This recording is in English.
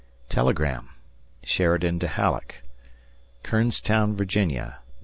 [Telegram Sheridan to Halleck] Kernstown, Va.; Nov.